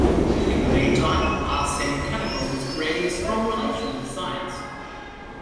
In the meantime Arsen Kanokov is creating a strong relation with the science.